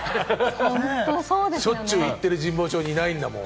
しょっちゅう行っている神保町にいないんだもん。